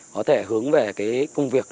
có thể hướng về cái công việc